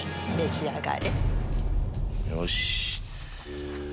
よし！